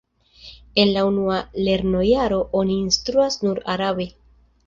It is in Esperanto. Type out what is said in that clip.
En la unua lernojaro oni instruas nur arabe.